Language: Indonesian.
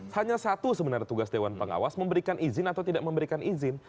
hanya satu sebenarnya tugas dewan pengawas memberikan izin atau tidak memberikan izin